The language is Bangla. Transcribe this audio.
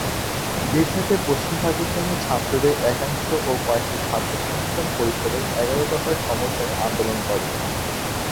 এর সাথে পশ্চিম পাকিস্তানের ছাত্রদের একাংশ ও কয়েকটি ছাত্র সংগঠন পরিষদের এগারো দফার সমর্থনে আন্দোলন করে।